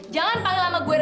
jangan panggil sama gue renet